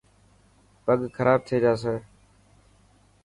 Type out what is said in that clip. پگ کراب ٿي جاسي.